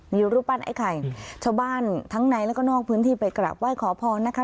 มีรูปปั้นไอ้ไข่ชาวบ้านทั้งในแล้วก็นอกพื้นที่ไปกราบไหว้ขอพรนะคะ